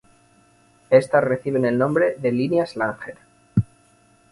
Estas reciben el nombre de "Líneas de Langer".